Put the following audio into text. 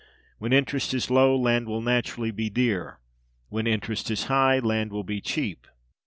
When interest is low, land will naturally be dear; when interest is high, land will be cheap.